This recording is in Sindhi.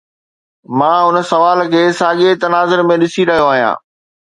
مان ان سوال کي ساڳئي تناظر ۾ ڏسي رهيو آهيان.